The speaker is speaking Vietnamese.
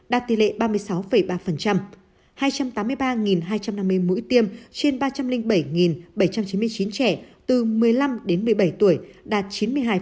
đạt tỷ lệ ba mươi sáu ba hai trăm tám mươi ba hai trăm năm mươi mũi tiêm trên ba trăm linh bảy bảy trăm chín mươi chín trẻ từ một mươi năm đến một mươi bảy tuổi đạt chín mươi hai